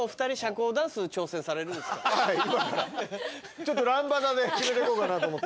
ちょっとランバダで決めてこうかなと思って。